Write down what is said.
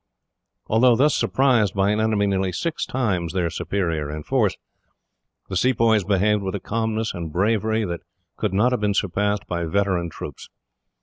Although thus surprised, by an enemy nearly six times their superior in force, the Sepoys behaved with a calmness and bravery that could not have been surpassed by veteran troops.